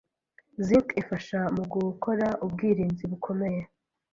Zinc ifasha mu gukora ubwirinzi bukomeye ,